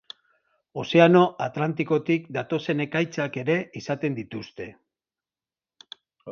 Ozeano Atlantikotik datozen ekaitzak ere izaten dituzte.